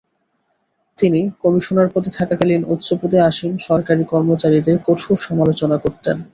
তিনি কমিশনার পদে থাকাকালীন উচ্চপদে আসীন সরকারী কর্মচারীদের কঠোর সমালোচনা করতেন।